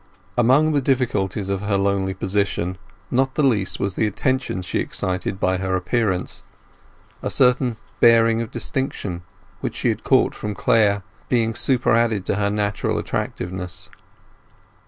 Among the difficulties of her lonely position not the least was the attention she excited by her appearance, a certain bearing of distinction, which she had caught from Clare, being superadded to her natural attractiveness.